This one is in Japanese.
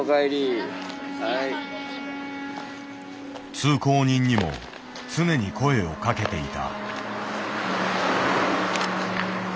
通行人にも常に声を掛けていた。